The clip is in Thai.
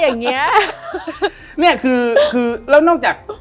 และยินดีต้อนรับทุกท่านเข้าสู่เดือนพฤษภาคมครับ